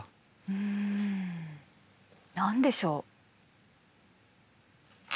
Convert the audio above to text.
うん何でしょう？